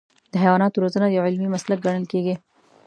د حیواناتو روزنه یو علمي مسلک ګڼل کېږي.